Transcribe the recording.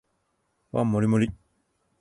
ご飯もりもり